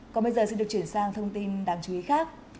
còn bây giờ xin được chuyển sang thông tin đáng chú ý khác